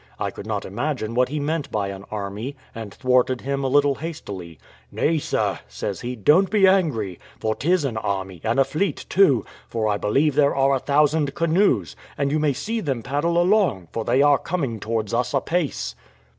I could not imagine what he meant by an army, and thwarted him a little hastily. "Nay, sir," says he, "don't be angry, for 'tis an army, and a fleet too: for I believe there are a thousand canoes, and you may see them paddle along, for they are coming towards us apace."